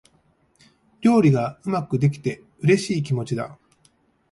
料理がうまくできて、嬉しい気持ちだ。